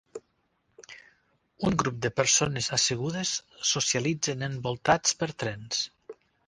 Un grup de persones assegudes socialitzen envoltats per trens.